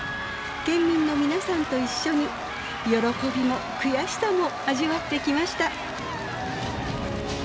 県民の皆さんと一緒に喜びも悔しさも味わってきました。